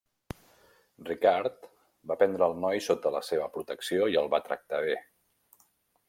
Ricard va prendre el noi sota la seva protecció i el va tractar bé.